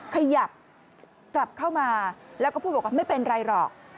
ขยับกลับเข้ามาแล้วก็พูดบอกว่าไม่เป็นไรหรอก